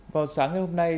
vào sáng ngày hôm nay